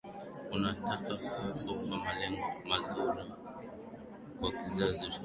unataka kuwepo na malengo mazuri kwa kizazi cha baadae Mungu akubariki kaka